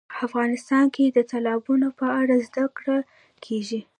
افغانستان کې د تالابونو په اړه زده کړه کېږي.